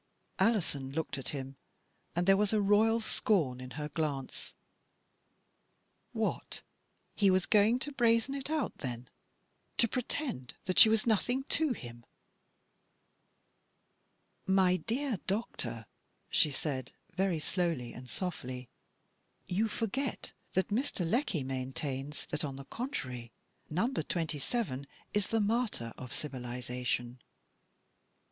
Alison looked at him, and there was a royal scorn in her glance. What, he was going to brazen it out, then ; to pretend that he knew nothing ? f 250 J THE BTOBT OF A MODERN WOMAN. " My dear doctor," she said, very slowly and softly, " you forget that Mr. Lecky main tains that, on the contrary, Number Twenty seven is the martyr of civilisation."